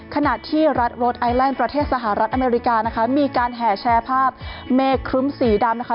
ขณะที่รัฐรถไอแลนด์ประเทศสหรัฐอเมริกานะคะมีการแห่แชร์ภาพเมฆครึ้มสีดำนะคะ